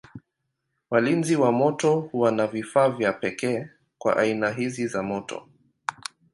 Walinzi wa moto huwa na vifaa vya pekee kwa aina hizi za moto.